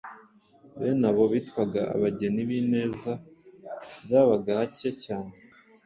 Bene abo bitwaga abageni b’ineza. Byabaga hake cyane